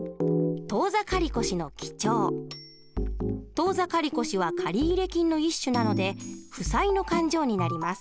当座借越は借入金の一種なので負債の勘定になります。